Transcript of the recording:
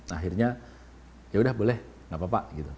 akhirnya ya udah boleh gak apa apa gitu